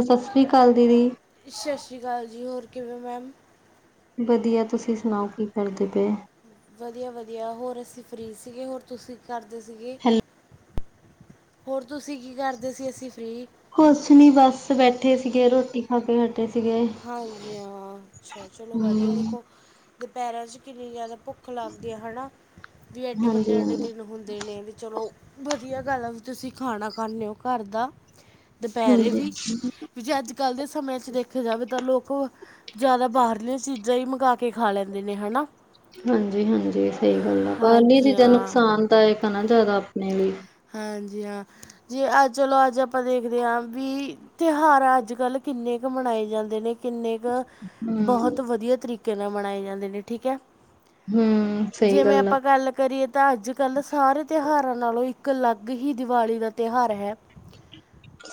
ਸਤਿ ਸ੍ਰੀ ਅਕਾਲ ਦੀਦੀ। ਸਤਿ ਸ਼੍ਰੀ ਅਕਾਲ ਜੀ ਹੋਰ ਕਿਵੇਂ ਮੈਮ ਵਧੀਆ ਤੁਸੀਂ ਸੁਣਾਓ ਕੀ ਕਰਦੇ ਪਏ? ਵਧੀਆ ਵਧੀਆ ਹੋਰ ਅਸੀਂ ਫਰੀ ਸੀਗੇ ਹੋਰ ਤੁਸੀਂ ਕਰਦੇ ਸੀਗੇ? ਹੈਲੋ ਹੋਰ ਤੁਸੀਂ ਕੀ ਕਰਦੇ ਸੀ ਅਸੀਂ ਫ੍ਰਰੀ। ਕੁਛ ਨੀ ਬਸ ਬੈਠੇ ਸੀਗੇ ਰੋਟੀ ਖਾ ਕੇ ਹਟੇ। ਤੇ ਸੀਗੇ। ਹਾਂਜੀ ਹਾਂ, ਅੱਛਾ, ਚਲੋ ਵਧੀਆ ਹਮ ਦੇਖੋ। ਦੁਪਹਿਰਾਂ ਚ ਕਿੰਨੀ ਜ਼ਿਆਦਾ ਭੁੱਖ ਲੱਗਦੀ ਹੈ ਹਨਾ। ਵੀ ਐਡੇ ਹਾਂਜੀ ਵੱਡੇ ਐਡੇ ਦਿਨ ਹੁੰਦੇ ਨੇ ਵੀ ਚਲੋ। ਵਧੀਆ ਗੱਲ ਆ ਵੀ ਤੁਸੀਂ ਖਾਣਾ ਖਾਂਦੇ ਹੋ ਘਰ ਦਾ ਦੁਪਹਿਰੇ ਹਾਂਜੀ ਵੀ। ਹਾਂਜੀ ਵੀ ਜੇ ਅੱਜ ਕੱਲ੍ਹ ਦੇ ਸਮੇਂ 'ਚ ਦੇਖਿਆ ਜਾਵੇ ਤਾਂ ਲੋਕ ਜ਼ਿਆਦਾ ਬਾਹਰਲੀਆਂ ਚੀਜ਼ਾਂ। ਜਹੀ ਮੰਗਾ ਕੇ ਖਾ ਲੈਂਦੇ ਨੇ ਹੈ ਨਾ। ਹਾਂਜੀ, ਹਾਂਜੀ ਸਹੀ ਗੱਲ ਆ ਬਾਹਰਲੀ ਹਾਂਜੀ ਚੀਜ਼ਾਂ ਹਾਂ ਨੁਕਸਾਨ ਦਾਇਕ ਹੈ ਨਾ ਜ਼ਿਆਦਾ ਆਪਣੇ ਲਈ। ਹਾਂਜੀ ਹਾਂ, ਜੇ ਅੱਜ ਚਲੋ ਅੱਜ ਆਪਾਂ ਦੇਖਦੇ ਹਾਂ ਵੀ। ਤਿਉਹਾਰ ਅੱਜ ਕੱਲ੍ਹ ਕਿੰਨੇ ਕੁ ਮਨਾਏ ਜਾਂਦੇ ਨੇ। ਕਿੰਨੇ ਕੁ ਹਮ ਬਹੁਤ ਵਧੀਆ ਤਰੀਕੇ ਨਾਲ ਮਨਾਏ ਜਾਂਦੇ ਨੇ ਠੀਕ ਹੈ। ਹਮ ਸਹੀ ਜਿਵੇਂ ਆ ਆਪਾਂ ਗੱਲ ਕਰੀਏ ਤਾਂ ਅੱਜ ਕੱਲ ਸਾਰੇ ਤਿਉਹਾਰਾਂ ਨਾਲੋਂ। ਇੱਕ ਅਲੱਗ ਹੀ ਦੀਵਾਲੀ ਦਾ ਤਿਉਹਾਰ ਹੈ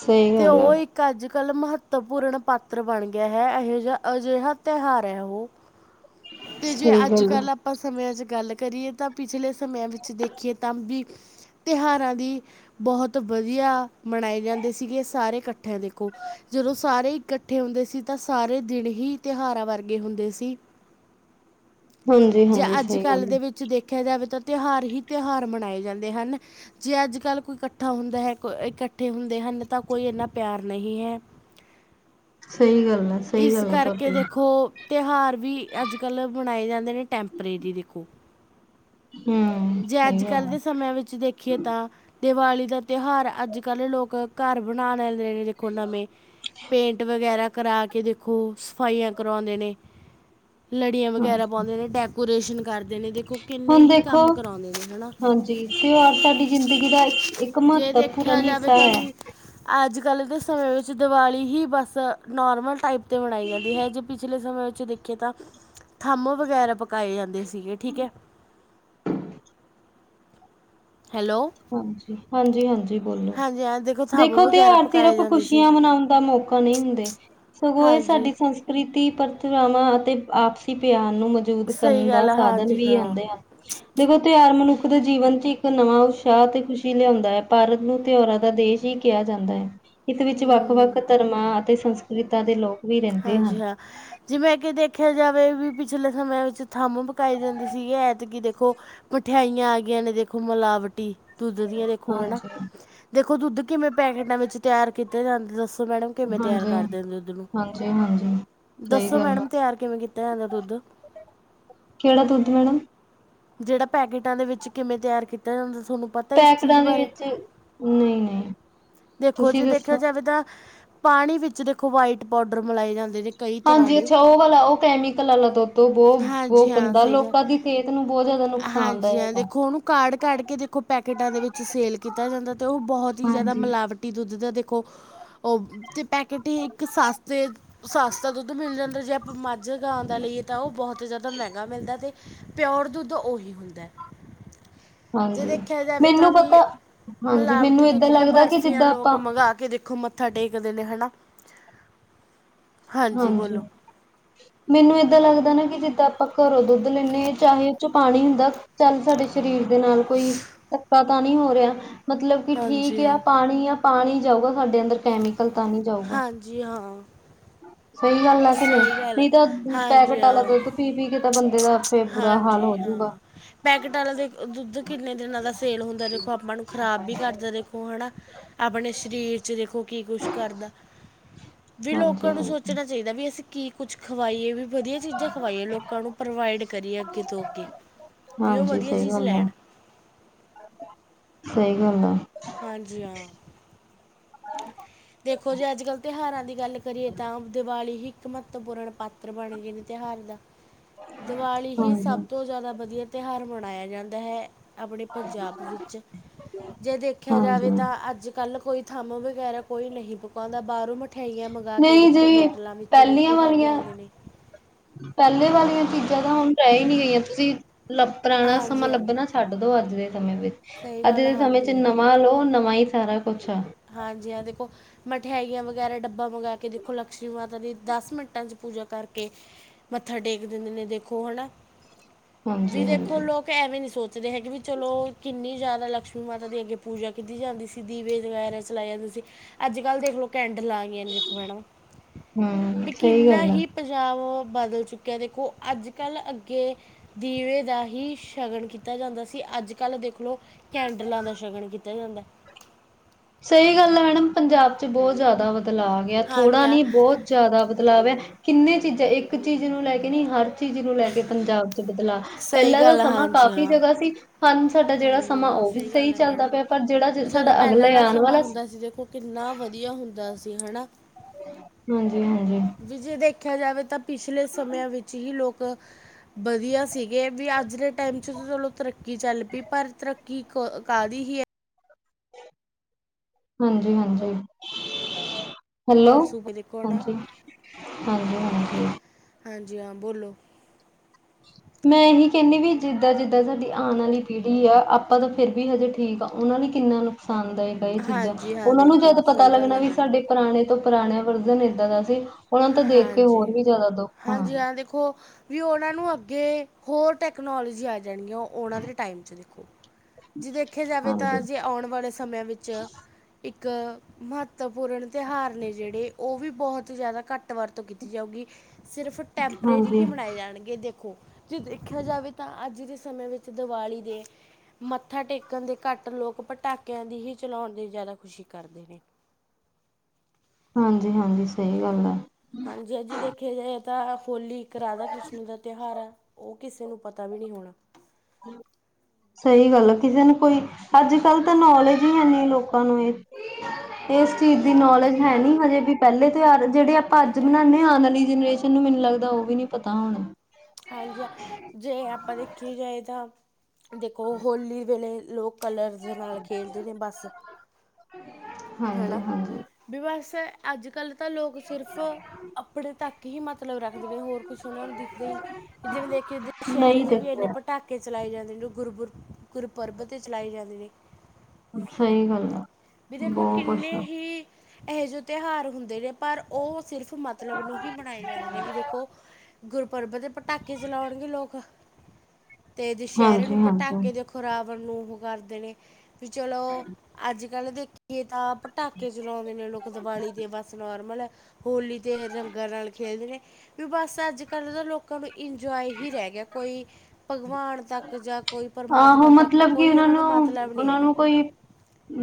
ਸਹੀ ਤੇ ਗੱਲ ਆ ਉਹ ਇੱਕ। ਇੱਕ ਅੱਜ ਕੱਲ ਮਹੱਤਵਪੂਰਨ ਪਾਤਰ ਬਣ ਗਿਆ ਹੈ। ਇਹੋ ਜਿਹਾ ਅਜਿਹਾ ਤਿਉਹਾਰ ਹੈ ਉਹ। ਅਤੇ ਜੇ ਸਹੀ ਅੱਜ ਗੱਲ ਆ ਕੱਲ੍ਹ ਆਪਾਂ ਸਮਿਆਂ 'ਚ ਗੱਲ ਕਰੀਏ ਤਾਂ ਪਿਛਲੇ ਸਮਿਆਂ ਵਿੱਚ ਦੇਖੀਏ ਤਾਂ ਵੀ। ਤਿਉਹਾਰਾਂ ਦੀ ਬਹੁਤ ਵਧੀਆ ਮਨਾਏ ਜਾਂਦੇ ਸੀਗੇ ਸਾਰੇ ਇਕੱਠਿਆਂ ਦੇਖੋ। ਜਦੋਂ ਸਾਰੇ ਇਕੱਠੇ ਹੁੰਦੇ ਸੀ ਤਾਂ ਸਾਰੇ ਦਿਨ ਹੀ ਤਿਉਹਾਰਾਂ ਵਰਗੇ ਹੁੰਦੇ ਸੀ। ਹਾਂਜੀ ਜੇ ਹਾਂਜੀ ਅੱਜ ਸਹੀ ਗੱਲ ਕੱਲ੍ਹ ਦੇ ਆ ਵਿੱਚ ਦੇਖਿਆ ਜਾਵੇ ਤਾਂ ਤਿਉਹਾਰ ਹੀ ਤਿਉਹਾਰ ਮਨਾਏ ਜਾਂਦੇ ਹਨ। ਜੇ ਅੱਜ ਕੱਲ੍ਹ ਕੋਈ ਇਕੱਠਾ ਹੁੰਦਾ ਹੈ ਇਕੱਠੇ ਹੁੰਦੇ ਹਨ ਤਾਂ ਕੋਈ ਇੰਨਾ ਪਿਆਰ ਨਹੀਂ ਹੈ। ਸਹੀ ਗੱਲ ਹੈ, ਸਹੀ ਇਸ ਗੱਲ ਆ ਕਰਕੇ ਤੁਹਾਡੀ। ਦੇਖੋ ਤਿਉਹਾਰ ਵੀ ਅੱਜ ਕੱਲ੍ਹ ਮਨਾਏ ਜਾਂਦੇ ਨੇ ਟੈਂਪਰੇੇਰੀ ਦੇਖੋ। ਹਮ ਜੇ ਸਹੀ ਅੱਜ ਗੱਲ ਕੱਲ੍ਹ ਆ ਦੇ ਸਮਿਆਂ ਵਿੱਚ। ਦੇਖੀਏ ਤਾਂ ਦੀਵਾਲੀ ਦਾ ਤਿਉਹਾਰ ਅੱਜ ਕੱਲ੍ਹ ਲੋਕ ਘਰ ਮਨਾ ਲੈਂਦੇ ਨੇ। ਦੇਖੋ ਨਵੇਂ ਪੇਂਟ ਵਗੈਰਾ ਕਰਾ ਕੇ ਦੇਖੋ ਸਫਾਈਆਂ ਕਰਵਾਉਂਦੇ ਨੇ। ਲੜੀਆਂ ਵਗੈਰਾ ਹਾਂਜੀ ਪਾਉਂਦੇ ਨੇ ਡੈਕੋਰੇਸ਼ਨ ਕਰਦੇ ਨੇ ਦੇਖੋ। ਕਿੰਨੇ ਹੁਣ ਹੀ ਦੇਖੋ, ਕੰਮ ਕਰਾਉਂਦੇ ਨੇ ਹਨਾ ਹਾਂਜੀ ਤਿਉਹਾਰ ਸਾਡੀ ਜ਼ਿੰਦਗੀ ਦਾ ਇੱਕ। ਇੱਕ ਜੇ ਦੇਖਿਆ ਮਹੱਤਵਪੂਰਨ ਜਾਵੇ ਹਿੱਸਾ ਤਾਂ ਹੈ। ਵੀ ਅੱਜ ਕੱਲ੍ਹ ਦੇ ਸਮੇਂ ਵਿੱਚ ਦਿਵਾਲੀ ਹੀ ਬਸ ਨਾਰਮਲ ਟਾਈਪ। ਅਤੇ ਤੇ ਮਨਾਈ ਜਾਂਦੀ ਹੈ ਜੇ ਪਿਛਲੇ ਸਮੇਂ ਵਿੱਚ ਦੇਖੀਏ ਤਾਂ। ਥੰਮ ਵਗੈਰਾ ਪਕਾਏ ਜਾਂਦੇ ਸੀਗੇ ਠੀਕ ਹੈ। ਹੈਲੋ ਹਾਂਜੀ, ਹਾਂਜੀ ਹਾਂਜੀ। ਬੋਲੋ। ਹਾਂਜੀ ਥੰਮ ਦੇਖੋ ਵਗੈਰਾ ਤਿਉਹਾਰ ਪਕਾਏ ਸਿਰਫ਼ ਜਾਂਦੇ ਸੀ ਖੁਸ਼ੀਆਂ ਮਨਾਉਣ ਦਾ ਮੌਕਾ ਨਹੀਂ ਹੁੰਦੇ। ਸਗੋਂ ਇਹ ਹਾਂਜੀ, ਸਾਡੀ ਸੰ ਪ੍ਰੀਤੀ ਪਰੰਪਰਾਵਾਂ ਅਤੇ ਆਪਸੀ ਪਿਆਰ ਨੂੰ। ਮਜਬੂਤ ਕਰਨ ਸਹੀ ਦਾ ਗੱਲ ਆ ਸਾਧਨ ਹਾਂਜੀ ਵੀ ਹਾਂ, ਹੁੰਦੇ ਹਨ ਦੇਖੋ ਤਿਉਹਾਰ ਮਨੁੱਖ ਦੇ ਜੀਵਨ ਚ ਇੱਕ ਨਵਾਂ। ਉਤਸ਼ਾਹ ਤੇ ਖੁਸ਼ੀ ਲਿਆਉਂਦਾ ਹੈ ਭਾਰਤ ਨੂੰ ਤਿਉਹਰਾਂ ਦਾ ਦੇਸ਼ ਹੀ ਕਿਹਾ ਜਾਂਦਾ ਹੈ। ਇਸ ਵਿੱਚ ਵੱਖ- ਵੱਖ ਹੂੰ। ਧਰਮਾਂ ਅਤੇ ਸੰਸਕ੍ਰਿਤਾਂ ਦੇ ਲੋਕ ਹਾਂਜੀ, ਹਾਂ ਹ [inaudible] ਜਿਵੇਂ ਕਿ ਦੇਖਿਆ ਜਾਵੇ ਵੀ ਪਿਛਲੇ ਸਮਿਆਂ ਵਿੱਚ ਥੰਮ ਪਕਾਏ ਜਾਂਦੇ ਸੀਗੇ ਐਤਕੀ ਦੇਖੋ ਮਠਿਆਈਆਂ ਆ ਗਈਆਂ ਨੇ ਦੇਖੋ ਮਿਲਾਵਟੀ ਦੁੱਧ ਦੀਆਂ ਦੇਖੋ ਹਨਾ ਹਾਂਜੀ, ਦੇਖੋ ਦੁੱਧ ਕਿਵੇਂ ਪੈਕੇਟਾਂ ਵਿੱਚ ਤਿਆਰ ਕੀਤੇ ਜਾਂਦੇ ਦੱਸੋ ਮੈਡਮ ਕਿਵੇਂ ਤਿਆਰ ਕਰਦੇ ਨੇ ਦੁੱਧ ਨੂੰ? ਜੀ ਹਾਂਜੀ ਸਹੀ ਦੱਸੋ ਗੱਲ ਆ, ਮੈਡਮ ਤਿਆਰ ਕਿਵੇਂ ਕੀਤਾ ਜਾਂਦਾ ਦੁੱਧ? ਕਿਹੜਾ ਦੁੱਧ ਮੈਡਮ? ਜਿਹੜਾ ਪੈਕੇਟਾਂ ਦੇ ਵਿੱਚ ਕਿਵੇਂ ਤਿਆਰ ਕੀਤਾ ਜਾਂਦਾ ਤੁਹਾਨੂੰ ਪਤਾ ਤਾਂ ਇਸ ਚੀਜ਼ ਪੈਕਟਾਂ ਦੇ ਬਾਰੇ, ਵਿੱਚ ਨਹੀਂ-ਨਹੀਂ, ਦੇਖੋ ਤੁਸੀਂ ਜੀ ਦੇਖਿਆ ਦੱਸੋ? ਜਾਵੇ ਤਾਂ ਪਾਣੀ ਵਿੱਚ ਦੇਖੋ ਵਾਈਟ ਪਾਊਡਰ ਮਿਏ ਜਾਂਦੇ ਨੇ ਕਈ ਤਰ੍ਹਾਂ ਹਾਂਜੀ, ਦੇ ਅੱਛਾ! ਉਹ ਵਾਲਾ, ਉਹ ਕੈਮੀਕਲ ਵਾਲਾ ਦੁੱਧੋ ਬਹੁਤ ਬਹੁ ਹਾਂਜੀ ਹਾਂ ਗੰਦਾ ਸਹੀ ਗੱਲ ਲੋਕਾਂ ਦੀ ਸਿਹਤ ਨੂੰ ਬਹੁਤ ਜ਼ਿਆਦਾ ਨੁਕਸਾਨਦਾਇਕ ਹਾ। ਕਾਢ -ਕਾਢ ਕੇ ਦੇਖੋ ਪੈਕੇਟਾਂ ਦੇ ਵਿੱਚ ਸੇਲ ਕੀਤਾ ਜਾਂਦਾ ਤੇ ਉਹ ਬਹੁਤ ਹੀ ਜ਼ਿਆਦਾ ਮਿਲਾਵਟ ਹਾਂਜੀ-ਹਾਂਜੀ। ਮਿਲਾਵਟੀ ਦੁੱਧ ਦਾ ਦੇਖੋ ਉਹ ਤੇ ਪੈਕੇਟ ਹੀ ਇੱਕ ਸਸਤੇ ਸਸਤਾ ਦੁੱਧ ਮਿਲ ਜਾਂਦਾ ਜੇ ਆਪਾਂ ਮ ਹੈ ਗਾ ਦਾ ਲਈਏ ਤਾਂ ਉਹ ਬਹੁਤ ਜ਼ਿਆਦਾ ਮਹਿੰਗਾ ਮਿਲਦਾ ਅਤੇ ਪਿਓਰ ਦੁੱਧ ਤਾਂ ਉਹੀ ਹੁੰਦਾ। ਜੇ ਦੇਖਿਆ ਜਾਵੇ ਤਾਂ ਮੈਨੂੰ ਵੀ ਪਤਾ, ਹਾਂਜੀ ਮਿਲਾਵਟੀ ਮੈਨੂੰ ਦੁੱਧ ਏਦਾਂ ਦੀਆਂ ਲੱਗਦਾ ਕਿ ਬਰਫ਼ੀਆਂ ਜਿੱਦਾਂ ਲੋਕ ਆਪਾਂ ਮੰਗਾ ਕੇ ਦੇਖੋ ਮ ਮੱਥਾ ਟੇਕਦੇ ਨੇ ਹੈ ਨਾ। ਹਾਂਜੀ। ਮੈਨੂੰ ਏਦਾਂ ਲੱਗਦਾ ਨਾ ਕਿ ਜਿੱਦਾਂ ਆਪਾਂ ਘਰੋਂ ਦੁੱਧ ਲੈਂਦੇ ਹਾਂ ਚਾਹੇ ਉਹ ਚੋਂ ਪਾਣੀ ਹੁੰਦਾ ਚੱਲ ਸਾਡੇ ਸਰੀਰ। ਦੇ ਨਾਲ ਕੋਈ ਧੱਕਾ ਤਾਂ ਨਹੀਂ ਹੋ ਰਿਹਾ। ਮਤਲਬ ਕਿ ਠੀਕ ਹਾਂਜੀ ਆ ਹਾਂ ਪਾਣੀ ਆ। ਪਾਣੀ ਜਾਊਗਾ ਸਾਡੇ ਅੰਦਰ ਕੈਮੀਕਲ ਤਾਂ ਨਹੀ ਜਾਊਗਾ। ਜੀ ਹਾਂ। ਸਹੀ ਗੱਲ ਆ ਕਿ ਨਹੀਂ। ਸਹੀ ਗੱਲ ਨਹੀਂ ਹੈ। ਤਾਂ ਹਾਂਜੀ ਪੈਕੇਟ ਵਾਲਾ ਹਾਂ ਦੁੱਧ ਪੀ -ਪੀ ਕੇ ਤਾਂ ਬੰਦੇ ਦਾ ਫੇਰ ਬੁਰਾ ਹਾਲ ਹਾਂਜੀ ਹਾਂ ਹੋਜੂਗਾ। ਪੈਕਟ ਵਾਲਾ ਦੇ ਦੁੱਧ ਕਿੰਨੇ ਦਿਨਾਂ ਦਾ ਸੇਲ ਹੁੰਦਾ ਦੇਖੋ ਆਪਾਂ ਨੂੰ ਖ਼ਰਾਬ ਵੀ ਕਰਦਾ ਦੇਖੋ। ਹੁਣ ਅਪਣੇ ਸਰੀਰ ਚ ਦੇਖੋ ਕੀ ਕੁਛ ਕਰਦਾ। ਵੀ ਹਾਂਜੀ ਲੋਕਾਂ ਨੂੰ ਹਾਂਜੀ ਸੋਚਣਾ ਚਾਹੀਦਾ ਵੀ ਅਸੀਂ ਕੀ ਕੁੱਝ ਖਵਾਈਏ ਵੀ ਵਧੀਆ ਚੀਜ਼ਾਂ ਖਵਾਈਏ ਲੋਕਾਂ ਨੂੰ। ਪ੍ਰੋਵਾਈਡ ਕਰੀਏ ਅੱਗੇ ਤੋਂ ਅੱਗੇ, ਵੀ ਉਹ ਹਾਂਜੀ ਵਧੀਆ ਸਹੀ ਚੀਜ਼ ਗੱਲ ਆ ਲੈਣ। ਸਹੀ ਗੱਲ ਆ। ਹਾਂਜੀ ਹਾਂ। ਦੇਖੋ ਜੇ ਅੱਜ- ਕੱਲ੍ਹ ਤਿਉਹਾਰਾਂ ਦੀ ਗੱਲ ਕਰੀਏ ਤਾਂ ਦਿਵਾਲੀ ਹੀ ਇੱਕ ਮਹੱਤਵਪੂਰਨ ਪਾ ਇੱਤਰ ਬਣ ਗਏ ਨੇ ਤਿਉਹਾਰ ਦਾ, ਦੀਵਾਲੀ ਹੀ ਸਭ ਹਾਂਜੀ ਤੋਂ ਜ਼ਿਆਦਾ ਵਧੀਆ ਤਿਉਹਾਰ ਮਨਾਇਆ ਜਾਂਦਾ ਹੈ। ਆਪਣੇ ਪੰਜਾਬ ਵਿੱਚ, ਜੇ ਦੇਖਿਆ ਜਾਵੇ ਹਾਂਜੀ ਤਾਂ ਅੱਜ ਕੱਲ ਕੋਈ ਥੰਮ ਵਗੈਰਾ ਕੋਈ ਨਹੀਂ ਪਕਾਉਂਦਾ ਬਾਹਰੋਂ ਮਿਠਾਈਆਂ ਮੰਗਾਵਾ ਕੇ ਨਹੀਂ ਦੇਖੋ ਜੀ ਹੋਟਲਾਂ ਵਿੱਚ ਪਹਿਲੀਆਂ ਰੋਟੀ ਖਾ ਕੇ ਵਾਲੀਆਂ ਆਉਂਦੇ ਨੇ। ਪਹਿਲੇ ਵਾਲੀਆਂ ਚੀਜ਼ਾਂ ਤਾਂ ਹੁਣ ਰਹਿ ਹੀ ਨਹੀਂ ਗਈਆਂ ਤੁਸੀਂ ਲ ਪੁਰਾਣਾ ਸਮਾਂ ਹਾਂਜੀ ਹਾਂ ਲੱਭਣਾ ਛੱਡ ਦੋ ਅੱਜ ਦੇ ਸਮੇਂ ਵਿੱਚ। ਸਹੀ ਅੱਜ ਗੱਲ ਦੇ ਸਮੇਂ ਚ ਹਾਂਜੀ ਹਾਂ ਨਵਾਂ ਲੋ ਨਵਾਂ ਹੀ ਸਾਰਾ ਕੁਛ ਆ। ਹਾਂਜੀ ਹਾਂ ਦੇਖੋ ਮਠਿਆਈਆਂ ਵਗੈਰਾ ਡੱਬਾ ਮੰਗਵਾ ਕੇ ਦੇਖੋ ਲਕਸ਼ਮੀ ਮਾਤਾ ਦੀ ਦਸ ਮਿੰਟਾਂ ਚ ਪੂਜਾ ਕਰਕੇ, ਮੱਥਾ ਟੇਕ ਦਿੰਦੇ ਨੇਦੇਖੋ ਹਨਾਂ। ਵੀ ਹਾਂਜੀ ਦੇਖੋ ਹਾਂਜੀ ਲੋਕ ਐਵੇਂ ਨੀ ਸੋਚਦੇ ਹੈਗੇ ਵੀ ਚਲੋ ਕਿੰਨੀ ਜ਼ਿਆਦਾ ਲਕਸ਼ਮੀ ਮਾਤਾ ਦੀ ਅੱਗੇ ਪੂਜਾ ਕੀਤੀ ਜਾਂਦੀ ਸੀ ਦੀਵੇ ਵਗੈਰਾ ਚਲਾਇਆ ਸੀਂ। ਅੱਜ- ਕੱਲ੍ਹ ਦੇਖਲੋ ਕੈਂਡਲ ਆ [inaudible] ਹਮ ਬੀ ਸਹੀ ਕਿੰਨਾ ਗੱਲ ਆ ਹੀ। ਪੰਜਾਬ ਓ ਬਦਲ ਚੁੱਕਿਆ ਦੇਖੋ, ਅੱਜ- ਕੱਲ੍ਹ ਅੱਗੇ ਦੀਵੇ ਦਾ ਹੀ ਸ਼ਗਨ ਕੀਤਾ ਜਾਂਦਾ ਸੀ। ਅੱਜ -ਕੱਲ੍ਹ ਦੇਖ ਲੋ ਕੈਂਡਲਾਂ ਦਾ ਸ਼ਗਨ ਕੀਤਾ ਜਾਂਦਾ। ਸਹੀ ਗੱਲ ਹੈ ਮੈਡਮ ਪੰਜਾਬ ਚ ਬਹੁਤ ਜ਼ਿਆਦਾ ਬਦਲਾਵ ਆ ਗਿਆ ਹਾਂਜੀ ਥੋੜਾ ਹਾਂ ਨੀ ਬਹੁਤ। ਜ਼ਿਆਦਾ ਬਦਲਾਵ ਹੈ ਕਿੰਨੇ ਚੀਜ਼ਾਂ ਇੱਕ ਚੀਜ਼ ਨੂੰ ਲੈ ਕੇ ਨਹੀਂ ਹਰ ਚੀਜ਼ ਨੂੰ ਲੈ ਕੇ ਪੰਜਾਬ ਚ ਬਦਲਾਵ। ਸਹੀ ਪਹਿਲਾਂ ਤਾਂ ਗੱਲ ਆ, ਸਮਾਂ ਹਾਂਜੀ ਕਾਫ਼ੀ ਹਾਂ ਜਗ੍ਹਾ ਸੀ ਹਾਂਜੀ। ਹਾਂਜੀ ਆਹ ਸਹੀ ਗੱਲ ਹੈ ਮੈਡਮ ਪਰ ਜਿਹੜਾ ਜਦੋਂ ਸਾਡਾ ਪਹਿਲਾਂ ਅਗਲੇ ਦਾ ਆਉਣ ਸਮਾਂ ਵਾਲਾ ਹੁੰਦਾ ਸੀ ਦੇਖੋ। ਕਿੰਨਾ ਵਧੀਆ ਹੁੰਦਾ ਸੀ ਹਨਾ। ਹਾਂਜੀ ਹਾਂਜੀ। ਵੀ ਜੇ ਦੇਖਿਆ ਜਾਵੇ ਤਾਂ ਪਿਛਲੇ ਸਮਿਆਂ ਵਿੱਚ। ਜੀ ਲੋਕ ਵਧੀਆ ਸੀਗੇ ਵੀ ਅੱਜ ਦੇ ਟਾਈਮ 'ਚ ਤਾਂ ਚਲੋ ਤਰੱਕੀ। ਤਰੱਕੀ ਚੱਲ ਪਈ ਪਰ ਤਰੱਕੀ ਕਾਹਦੀ ਹੀ ਹੈ। ਹਾਂਜੀ ਹਾਂਜੀ। ਹੈਲੋ, ਆਲਸੂ ਦੇਖੋ ਨਾ ਹਾਂਜੀ, ਹਾਂਜੀ ਹਾਂਜੀ। ਹਾਂਜੀ ਹਾਂ ਬੋਲੋ। ਮੈਂ ਇਹੀ ਕਹਿੰਦੀ ਵੀ ਜਿੱਦਾਂ ਜਿੱਦਾਂ ਸਾਡੀ ਆਉਣ ਵਾਲੀ ਪੀੜ੍ਹੀ ਆ। ਆਪਾਂ ਤਾਂ ਫੇਰ ਵੀ ਹਜੇ ਠੀਕ ਆ। ਉਹਨਾ ਲਈ ਕਿੰਨਾ ਨੁਕਸਾਨ ਦਾਇਕ ਇਹ ਚੀਜ਼ਾਂ ਹਾਂਜੀ ਹਾਂ ਉਹਨਾਂ ਨੂੰ ਦੇਖੋ ਜਦ ਪਤਾ ਸਹੀ ਗੱਲ ਲੱਗਣਾ ਹੈ ਵੀ ਮੈਡਮ ਸਾਡੇ ਪੁਰਾਣੇ ਤੋਂ ਪੁਰਾਣਾ ਵਰਜਨ ਏਦਾਂ ਦਾ ਸੀ। ਉਹਨਾ ਤਾਂ ਦੇਖ ਕੇ ਹਾਂਜੀ ਹੋਰ ਵੀ ਜ਼ਿਆਦਾ ਦੁੱਖ ਹੋਣਾ। ਹਾਂਜੀ ਹਾਂ ਦੇਖੋ ਵੀ ਉਹਨਾਂ ਨੂੰ ਅੱਗੇ ਹੋਰ ਟੈਕਨੋਲਜੀ ਆ ਜਾਣੀ ਆ ਉਹ ਉਹਨਾਂ ਦੇ ਟਾਈਮ 'ਚ ਦੇਖੋ। ਜੇ ਦੇਖਿਆ ਜਾਵੇ ਤਾਂ ਹਾਂਜੀ, ਅਜੇ ਆਉਣ ਵਾਲੇ ਸਮਿਆਂ ਵਿੱਚ। ' ਇੱਕ ਮਹੱਤਵਪੂਰਨ ਤਿਉਹਾਰ ਨੇ ਜਿਹੜੇ ਉਹ ਵੀ ਬਹੁਤ ਜ਼ਿਆਦਾ ਘੱਟ। ਵਰਤੋਂ ਕੀਤੀ ਜਾਊਗੀ ਸਿਰਫ ਟੈਂਪਰੇਰੀ ਹੀ ਹਾਂਜੀ, ਮਨਾਏ ਜਾਣਗੇ। ਦੇਖੋ ਜੇ ਦੇਖਿਆ ਜਾਵੇ ਤਾਂ ਅੱਜ ਦੇ ਸਮੇਂ ਵਿੱਚ ਦੀਵਾਲੀ ਦੇ। ਮੱਥਾ ਟੇਕਣ ਦੇ ਘੱਟ ਲੋਕ ਪਟਾਕਿਆਂ ਦੀ ਹੀ ਚਲਾਉਣ ਦੀ ਜ਼ਿਆਦਾ ਖੁਸ਼ੀ ਕਰਦੇ ਨੇ। ਹਾਂਜੀ ਹਾਂਜੀ ਸਹੀ ਗੱਲ ਹੈ। ਹਾਂਜੀ ਹਾਂ ਜੇ ਦੇਖੀ। ਆ ਜਾਏ ਤਾਂ ਹੋਲੀ ਇੱਕ ਰਾਧਾ ਕ੍ਰਿਸ਼ਨ ਦਾ ਤਿਉਹਾਰ ਹੈ ਉਹ ਕਿਸੇ ਨੂੰ ਪਤਾ ਵੀ ਨਹੀਂ ਹੋਣਾ। ਹਮ ਸਹੀ ਗੱਲ ਆ ਕਿਸੇ ਨੂੰ ਕੋਈ ਅੱਜ ਕੱਲ ਤਾਂ ਨੌਲੇਜ ਹੀ ਹੈਨੀ ਲੋਕਾਂ ਨੂੰ ਇਹ। ਇਸ ਚੀਜ਼ ਦੀ ਨੌਲੇਜ ਹੈ ਨੀ ਹਜੇ ਵੀ ਪਹਿਲੇ ਤਿਉਹਾਰ ਜਿਹੜੇ ਆਪਾਂ ਅੱਜ ਬਨਾਦੇ ਹਾਂ ਆਉਣ ਵਾਲੀ ਜਨਰੇਸ਼ਨ। ਤੈਨੂੰ ਮੈਨੂੰ ਲੱਗਦਾ ਉਹ ਵੀ ਨੀ ਪਤਾ ਹੋਣਾ। ਹਾਂਜੀ ਜੇ ਆਪਾਂ ਦੇਖੀ ਜਾਏ ਤਾਂ ਦੇਖੋ ਹੋਲੀ ਵੇਲੇ ਲੋਕ। ਕਲਰ ਦੇ ਨਾਲ ਖੇਲਦੇ ਨੇ ਬਸ ਹਨਾ ਹਾਂਜੀ-ਹਾਂਜੀ ਵੀ ਬਸ। ਅੱਜ ਕੱਲ੍ਹ ਤਾਂ ਲੋਕ ਸਿਰਫ ਆਪਣੇ ਤੱਕ ਹੀ ਮਤਲਬ ਰੱਖਦੇ ਨੇ ਹੋਰ ਕੁਛ ਉਹਨਾਂ ਨੂੰ ਦਿਖਦੇ ਹੀ ਨਹੀਂ। ਜਦੇ ਮੈਂ ਦੇਖਿਆ ਦੁਸਹਿਰੇ ਨਹੀਂ ਤੇ ਵੀ ਇਨੇ। ਦੇਖਿਆ ਪਟਾਕੇ ਚਲਾਏ ਜਾਂਦੇ ਨੇ ਜੋ ਗੁਰਪੁਰ ਗੁਰਪੁਰਬ 'ਤੇ ਚਲਾਏ ਜਾਂਦੇ ਨੇ। ਸਹੀ ਗੱਲ ਹੈ। ਵੀ ਦੇਖੋ ਕਿੰਨੇ ਹੀ ਇਹੋ ਜਿਹੇ ਤਿਉਹਾਰ ਹੁੰਦੇ ਨੇ ਪਰ ਉਹ ਸਿਰਫ ਮਤ। ਮਤਲਬ ਨੂੰ ਹੀ ਮਨਾਏ ਜਾਂਦੇ ਨੇ ਵੀ ਦੇਖੋ ਗੁਰਪਰਬ ਦੇ। ਪਟਾਕੇ ਚਲਾਉਣਗੇ ਲੋਕ ਤੇ ਦਸ਼ਹਿਰੇ ਨੂੰ ਹਾਂਜੀ-ਹਾਂਜੀ ਪਟਾਕੇ ਦੇਖੋ। ਉਹ ਰਾਵਣ ਨੂੰ ਮਾਰਦੇ ਨੇ ਵੀ ਚਲੋ ਅੱਜ ਕੱਲ੍ਹ ਦੇਖੀਏ ਤਾਂ। ਪਟਾਕੇ ਚਲਾਉਂਦੇ ਨੇ ਲੋਕ ਦੀਵਾਲੀ ਦੇ ਬਸ ਨੋਰਮਲ ਹੈ। ਹੋਲੀ ਤੇ ਰੰਗਾਂ ਨਾਲ ਖੇਲਦੇ ਨੇ ਵੀ ਬਸ ਅੱਜ ਕੱਲ੍ਹ ਤਾਂ ਲੋਕ ਨੂੰ ਇੰਜੋਏ ਹੀ ਰਹਿ ਗਿਆ ਕੋਈ ਭਗਵਾਨ ਤੱਕ ਜਾਂ ਕੋਈ। ਆਹੋ ਪਰਮਾਤਮਾ ਤੱਕ ਮਤਲਬ ਕਿ ਕੋਈ ਉਹਨਾਂ ਨੂੰ ਮਤਲਬ ਨਹੀਂ ਉਹਨਾਂ ਹੈਗਾ ਨੂੰ।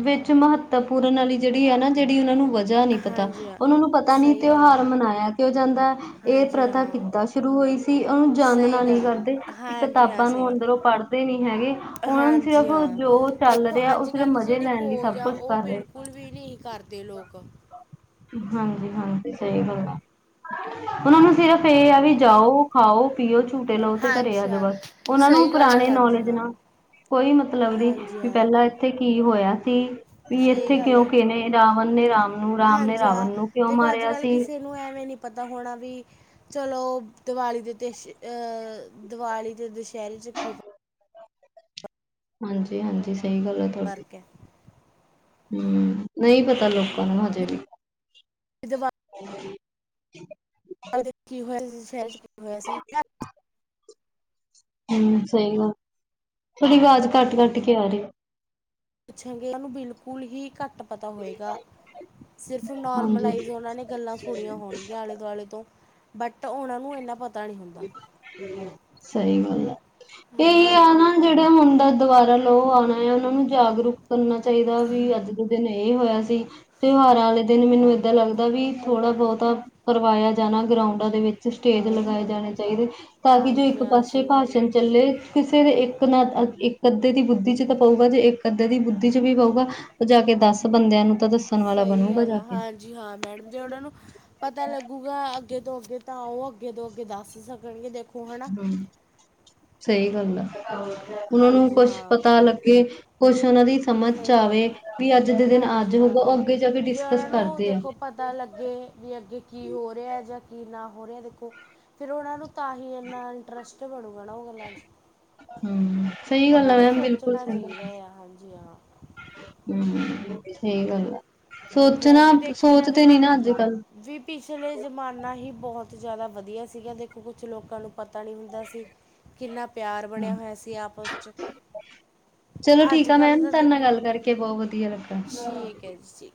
ਵਿੱਚ ਮਹੱਤਵਪੂਰਨ ਵਾਲੀ ਜਿਹੜੀ ਹੈ ਨਾ ਜਿਹੜੀ ਉਹਨਾਂ ਨੂੰ ਵਧ। ਜ ਨਹੀਂ ਪਤਾ ਹਾਂਜੀ ਹਾਂ ਉਹਨਾ ਨੂੰ ਪਤਾ ਨੀ ਸਹੀ ਗੱਲ ਆ ਤਿਉਹਾਰ ਮਨਾਇਆ ਕਿਉ ਜਾਂਦਾ ਹੈ। ਇਹ ਹਾਂਜੀ ਪ੍ਰਥਾ ਹਾਂ ਕਿੱਦਾਂ ਸ਼ੁਰੂ ਹੋਈ ਸੀ ਉਹਨੂੰ ਜਾਾਨਨਾ ਸਹੀ ਨਹੀਂ ਗੱਲ ਆ ਕਰਦੇ ਕਿ ਹਾਂਜੀ ਹਾਂ ਕਿਤਾਬਾਂ ਸਹੀ ਨੂੰ ਗੱਲ ਅੰਦਰੋਂ ਪੜ੍ਹ। ਨਹੀਂ ਹੈਗੇ ਉਹਨਾਂ ਨੂੰ ਸਿਰਫ ਹਾਂਜੀ ਹਾਂ ਜੋ ਚੱਲ ਦੇਖੋ ਰਿਹਾ ਉਹ ਸਿਰਫ ਮਜ਼ੇ ਲੈਣ ਲਈ ਸਭ ਕੁਛ ਕਰ ਰਹੇ। ਕੁੁਝ ਵੀ ਨਹੀਂ ਕਰਦੇ ਲੋਕ। ਹਾਂਜੀ ਹਾਂਜੀ ਸਹੀ ਗੱਲ ਆ। ਉਹਨਾਂ ਨੂੰ ਸਿਰਫ਼ ਇਹ ਆ ਹਾਂਜੀ ਵੀ ਹਾਂ ਜਾਓ ਖਾਓ, ਪੀਓ ਝੂਟੇ ਲਓ ਤੇ ਘਰੇ ਆ ਹਾਂਜੀ ਜਾਓ ਹਾਂ ਬਸ। ਉਹਨਾਂ ਨੂੰ ਸਹੀ ਗੱਲ ਹੈ ਪੁਰਾਣੇ ਹਾਂਜੀ ਜ ਹਾਂ ਨਾਲ ਕੋਈ ਮਤਲਬ, ਨਹੀਂ ਹਾਂਜੀ ਵੀ ਹਾਂ ਪਹਿਲਾਂ ਇੱਥੇ ਕੀ ਹੋਇਆ ਸੀ। ਵੀ ਸਹੀ ਇੱਥੇ ਗੱਲ ਕਿਉਂ ਹੈ ਕਿ ਨੇ ਰਾਵਣ ਨੇ ਰਾਮ ਨੂੰ ਰਾਮ ਨੇ ਹਾਂਜੀ ਰਾਵਣ ਹਾਂ ਨੂੰ ਕਿਉਂ ਦੇਖੋ ਅੱਜ ਮਾਰਿਆ ਕੱਲ੍ਹ ਸੀ। ਕਿਸੇ ਨੂੰ ਐਵੇਂ ਨੀ ਪਤਾ ਹੋਣਾ ਵੀ। ਚਲੋ ਦਿਵਾਲੀ ਦੇ ਦਿਵਾਲੀ ਦੇ ਦੁਸਹਿਰੇ ਕੀ ਹਾਂਜੀ, ਹਾਂਜੀ, ਸਹੀ ਗੱਲ ਹੈ। ਤੁਹਾਡੀ ਫਰਕ ਹੈ। ਹੂੰ, ਨਹੀਂ ਪਤਾ ਲੋਕਾਂ ਨੂੰ ਹਜੇ ਵੀ। ਇਹ ਵ [unintelligible] [unintelligible] ਦੇ ਕੀ ਹੋਇਆ ਸੀ ਸ਼ਹਿਰ ਚ ਕੀ ਹੋਇਆ ਸੀ। ਹੂੰ ਸਹੀ ਗੱਲ ਥੋੜੀ ਆਵਾਜ ਕੱਟ-ਕੱਟ ਕੇ ਆ ਰਹੀ ਐ। ਪੁੱਛਾਂਗੇ ਉਹਨ ਨੂੰ ਬਿਲਕੁਲ ਹੀ ਘੱਟ ਪਤਾ ਹੋਏਗਾ। ਸਿਰਫ ਹਾਂਜੀ। ਨੋਰਮਲਾਈਜ਼ ਉਹਨਾਂ ਨੇ ਗੱਲਾਂ ਥੋੜੀਆਂ ਹੋਣਗੀਆਂ ਆਲੇ ਦੁਆਲੇ ਤੋਂ ਬਟ ਉਹਨਾਂ ਨੂੰ ਇੰਨਾ ਪਤਾ। ਨਹੀਂ ਹੁੰਦਾ ਸਹੀ ਗੱਲ ਹੈ ਇਹੀ ਹਾਂਜੀ ਹਾਂ, ਆ ਨਾ, ਜਿਹੜਾ ਮੁੰਡ ਦੁਬਾਰਾ ਲੋ ਆਣਾ, ਉਹਨਾਂ ਨੂੰ ਜਾਗਰੂਕ ਕਰਨਾ ਚਾਹੀਦਾ ਵੀ ਅੱਜ ਦੇ ਦਿਨ ਇਹ ਹੋਇਆ ਸੀ ਤਿਉਹਾਰਾਂ ਵਾਲੇ ਦਿਨ ਮੈਨੂੰ ਏਦਾਂ ਲੱਗਦਾ ਵੀ ਥੋੜਾ ਬਹੁਤਾ ਕਰਵਾਇਆ ਜਾਣਾ ਗਰਾਉਂਡਾਂ ਦੇ ਵਿੱਚ ਸਟੇਜ ਲਗਾਏ ਜਾਣੇ ਚਾਹੀਦੇ, ਤਾਂ ਕਿ ਜੋ ਹਾਂਜੀ ਇੱਕ ਹਾਂ ਪਾਸੇ ਸਹੀ ਗੱਲ ਆ। ਭਾਸ਼ਣ ਚੱਲੇ ਕਿਸੇ ਦੇ ਇੱਕ ਨਾ ਇੱਕ ਅੱਧੇ ਦੀ ਬੁੱਧੀ ਤਾਂ ਪਊਗਾ, ਜੇ ਇੱਕ ਅੱਧੇ ਦੀ ਬੁੱਧੀ ਵੀ ਪਊਗਾ ਉਹ ਜਾ ਕੇ ਦਸ ਬੰਦਿਆਂ ਨੂੰ ਤਾਂ ਦੱਸਣ ਵਾਲਾ ਬਣੂਗਾ ਜਾ ਕੇ ਜੀ ਹਾਂ ਮੈਡਮ ਜੀ ਉਹਨਾਂ ਨੂੰ ਪਤਾ ਲੱਗੂਗਾ, ਅੱਗੇ ਤੋਂ ਅੱਗੇ ਤਾਂ ਆਓ ਅੱਗੇ ਤੋਂ ਅੱਗੇ ਦੱਸ ਹੀ ਸਕਣਗੇ ਦੇਖੋ ਹਨਾ। ਹੂੰ, ਸਹੀ ਗੱਲ ਆ ਉਹਨਾਂ ਨੂੰ ਹਾਂਜੀ ਕੁੱਛ ਹਾਂ। ਪਤਾ ਲੱਗੇ ਕੁਛ ਉਹਨਾਂ ਦੀ ਸਮਝ ਚ ਸਹੀ ਗੱਲ ਆਵੇ ਹੈ ਵੀ ਅੱਜ ਦੇ ਦਿਨ ਅੱਜ ਹਾਂਜੀ ਹਾਂ ਹੋਊਗਾ, ਉਹ ਮੈਡਮ ਅੱਗੇ ਜਾ ਕੇ ਜੇ ਡਿਸਕਸ ਉਹਨਾਂ ਨੂੰ ਕਰਦੇ ਆ ਦੇਖੋ ਪਤਾ ਲੱਗੇ ਵੀ ਅੱਗੇ ਕੀ ਹੋ ਰਿਹਾ ਜਾਂ ਕੀ ਨਾ ਹੋ ਰਿਹਾ ਦੇਖੋ ਫਿਰ ਉਹਨਾਂ ਨੂੰ ਤਾਂ ਹੀ ਇੰਨਾ ਇੰਟਰਸਟ ਬਣੂਗਾ, ਨਾ ਉਹ ਗੱਲਾਂ ਚ ਹਮ ਸਹੀ ਗੱਲ ਉਹਨਾਂ ਆ ਨੂੰ ਮੈਮ ਬਿਲਕੁਲ ਸੋਚਣਾ ਸਹੀ ਗੱਲ ਚਾਹੀਦਾ ਆ ਹਾਂਜੀ ਹਾਂ ਸਹੀ ਗੱਲ ਆ ਹਾਂਜੀ ਹਾਂ ਸੋਚਣਾ ਜੇ ਦੇਖਿਆ ਸੋਚ ਜਾਵੇ ਤੇ ਨੀ ਤਾਂ ਨਾ ਅੱਜ-ਕੱਲ ਵੀ ਪਿਛਲੇ ਜ਼ਮਾਨਾ ਹੀ ਬਹੁਤ ਜ਼ਿਆਦਾ ਵਧੀਆ ਸੀਗਾ, ਦੇਖੋ ਕੁਛ ਲੋਕਾਂ ਨੂੰ ਪਤਾ ਨਹੀਂ ਹੁੰਦਾ ਸੀ ਕਿੰਨਾ ਪਿਆਰ ਬਣਿਆ ਹੋਇਆ ਸੀ, ਆਪਸ 'ਚ ਚਲੋ, ਠੀਕ ਅੱਜ ਆ ਮੈਮ ਕੱਲ੍ਹ ਤਾਂ ਤੁਹਾਡੇ ਨਾਲ ਦੇਖੋ ਗੱਲ ਕਰਕੇ ਬਹੁਤ ਵਧੀਆ ਲੱਗਾ ਕੇ ਸੀ